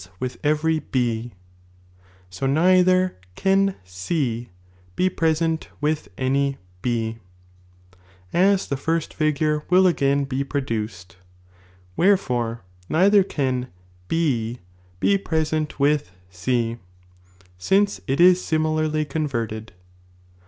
^ j^ ^jjjj^ ti\(;ry B, SO neither can C be present with any B, as the first figure will again be produced ; wherefore, neither can B be present with C, Mnoe it is simi s. ifthfgmrm larly converted.